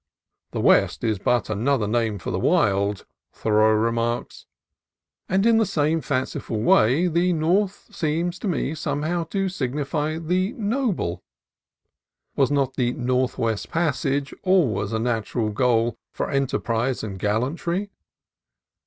"The West is but another name for the Wild," Thoreau remarks; and in the same fanciful way the North seems to me somehow to signify the Noble. Was not the Northwest Passage always a natural goal for enterprise and gallantry?